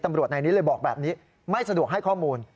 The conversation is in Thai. ตำรวจในนี้เลยบอกแบบนี้ไม่สะดวกให้ข้อมูล